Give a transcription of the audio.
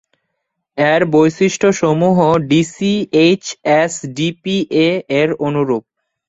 এর বৈশিষ্ট্যসমূহ ডিসি-এইচএসডিপিএ এর অনুরূপ।